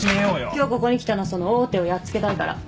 今日ここに来たのはその大手をやっつけたいから。